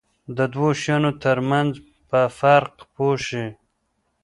د دوو شیانو ترمنځ په فرق پوه شي.